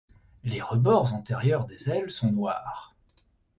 Les rebords antérieurs des ailes sont noirs.